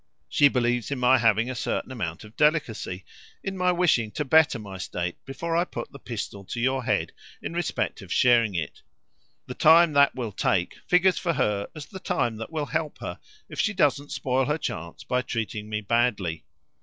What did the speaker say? She believes in my having a certain amount of delicacy, in my wishing to better my state before I put the pistol to your head in respect to sharing it. The time this will take figures for her as the time that will help her if she doesn't spoil her chance by treating me badly.